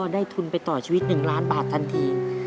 ได้ทุนไปต่อชีวิต๑ล้านบาททันที